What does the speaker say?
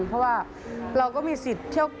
เพราะว่าเราก็มีสิทธิ์เที่ยว